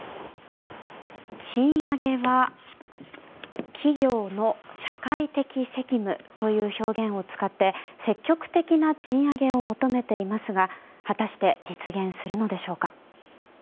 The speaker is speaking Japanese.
賃上げは企業の社会的責務という表現を使って積極的な賃上げを求めていますが果たして実現するのでしょうか。